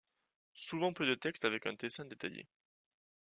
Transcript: Souvent peu de texte avec un dessin détaillé.